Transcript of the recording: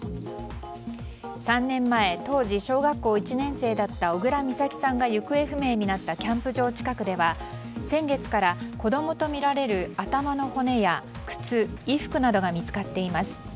３年前当時小学校１年生だった小倉美咲さんが行方不明になったキャンプ場近くでは先月から子供とみられる頭の骨や靴、衣服などが見つかっています。